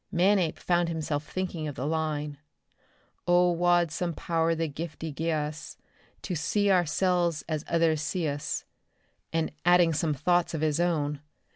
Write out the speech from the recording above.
Manape found himself thinking of the line: "'O wad some power the giftie gie us, to see oursilves as ithers see us,'" and adding some thoughts of his own.